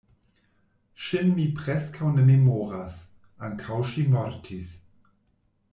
Ŝin mi preskaŭ ne memoras; ankaŭ ŝi mortis.